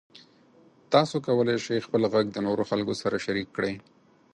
تاسو کولی شئ خپل غږ د نورو خلکو سره شریک کړئ.